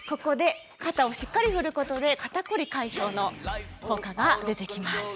肩をしっかり振ることで肩こり解消の効果が出てきます。